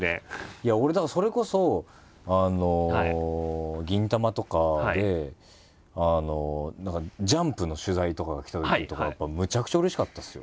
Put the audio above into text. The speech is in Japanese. いや俺だからそれこそ「銀魂」とかで「ジャンプ」の取材とかが来たときとかやっぱむちゃくちゃうれしかったですよ。